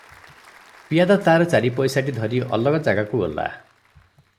ପିଆଦା ତାର ଚାରିପଇସାଟି ଧରି ଅଲଗା ଜାଗାକୁ ଗଲା ।